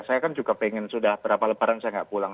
saya kan juga pengen sudah berapa lebaran saya nggak pulang